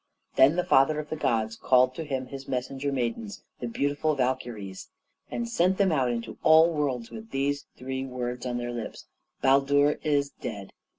Then the father of the gods called to him his messenger maidens the beautiful Valkyries and sent them out into all worlds with these three words on their lips, "Baldur is dead!"